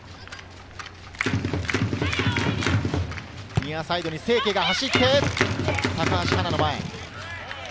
ニアサイドに清家が走って、高橋の前。